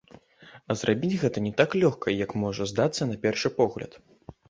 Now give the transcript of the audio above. А зрабіць гэта не так лёгка, як можа здацца на першы погляд.